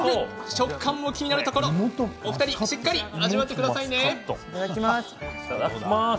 食感も気になるところ、お二人しっかり味わってくださいね。